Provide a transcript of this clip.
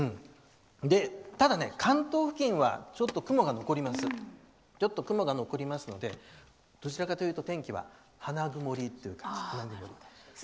ただ、関東付近はちょっと雲が残りますのでどちらかというと天気は花曇りという感じで。